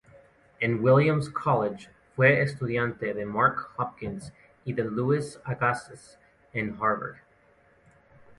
En Williams College fue estudiante de Mark Hopkins y de Louis Agassiz en Harvard.